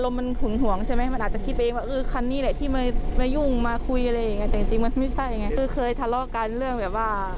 ไม่ใช่คือเคยทะเลาะกันเรื่องแบบว่า